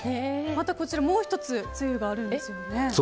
またこちら、もう１つつゆがあるんですよね。